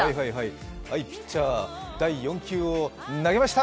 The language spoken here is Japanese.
ピッチャー、第４球を投げました。